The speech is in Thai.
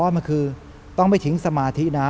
มันคือต้องไม่ทิ้งสมาธินะ